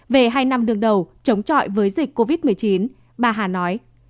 về hai năm đương đầu chống trọi với dịch covid một mươi chín bà hà nói